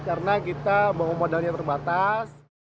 karena kita bawa modalnya terbatas